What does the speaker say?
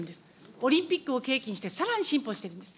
オリンピックを契機にして、さらに進歩しております。